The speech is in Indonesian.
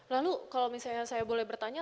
lalu kalau misalnya saya boleh bertanya